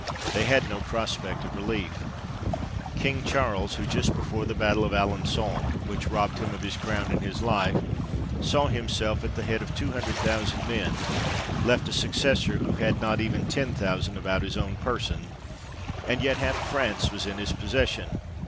They had no prospect of relief; King Charles, who just before the battle of Alengon, which robbed him of his crown and his life, saw himself at the head of two hundred thousand men, left a successor who had even not ten thousand about his own person ; and yet half France was in his possession.